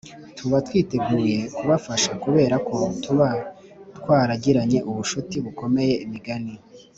tuba twiteguye kubafasha kubera ko tuba twaragiranye ubucuti bukomeye Imigani